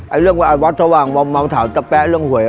ไอ้เรื่องวัดสว่างมองมาถามตะแป๊ะเรื่องเหวะ